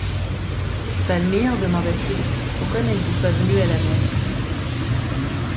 Palmyre, demanda-t-il, pourquoi n’êtes-vous pas venue à la messe